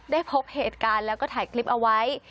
พบเหตุการณ์แล้วก็ถ่ายคลิปเอาไว้